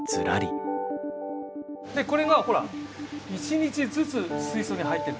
でこれがほら１日ずつ水槽に入ってる。